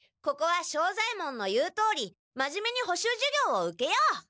ここは庄左ヱ門の言うとおり真面目に補習授業を受けよう！